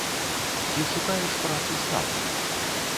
Ці шукаеш працы сталай?